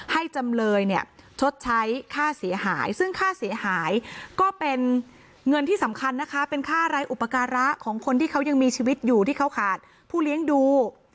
จำเลยเนี่ยชดใช้ค่าเสียหายซึ่งค่าเสียหายก็เป็นเงินที่สำคัญนะคะเป็นค่าไร้อุปการะของคนที่เขายังมีชีวิตอยู่ที่เขาขาดผู้เลี้ยงดู